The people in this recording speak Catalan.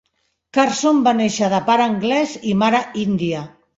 Carson va néixer de pare anglès i mare índia.